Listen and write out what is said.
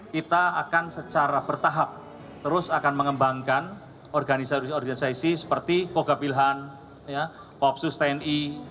kita akan secara bertahap terus akan mengembangkan organisasi organisasi seperti kogapilhan koopsus tni